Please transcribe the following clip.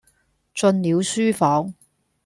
進了書房，